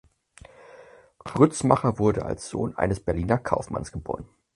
Grützmacher wurde als Sohn eines Berliner Kaufmanns geboren.